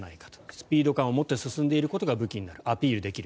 スピード感を持って進んでいることが武器になるアピールできる。